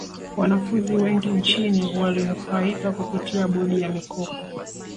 wanafunzi wengi nchini walinufaika kupitia bodi ya mikopo